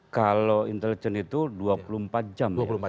kalau intelijen itu dua puluh empat jam